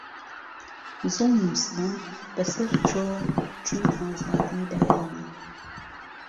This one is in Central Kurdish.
زوڵم و ستەم بە سەر چۆ چوون ئازادی بەیانە